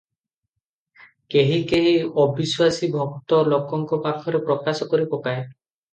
କେହି କେହି ଅବିଶ୍ୱାସୀ ଭକ୍ତ ଲୋକଙ୍କ ପାଖରେ ପ୍ରକାଶ କରି ପକାଏ ।